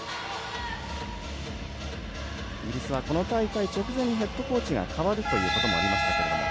イギリスはこの大会直前にヘッドコーチが変わるということもありました。